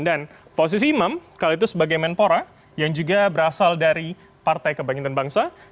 dan posisi imam kalau itu sebagai menpora yang juga berasal dari partai kebangkitan bangsa